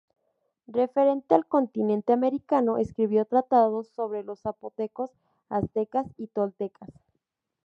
Referente al continente americano, escribió tratados sobre los zapotecos, aztecas y toltecas.